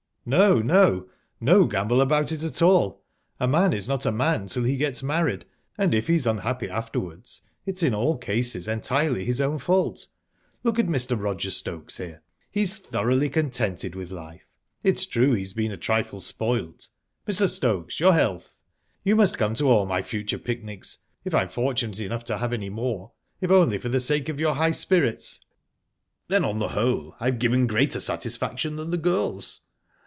"No, no no gamble about it at all. A man is not a man till he gets married, and if he's unhappy afterwards, it's in all cases entirely his own fault. Look at Mr. Roger Stokes here. He's thoroughly contented with life it's true he's been a trifle spoilt...Mr. Stokes, your health!...You must come to all my future picnics, if I am fortunate enough to have any more if only for the sake of your high spirits." "Then, on the whole, I've given greater satisfaction than the girls?"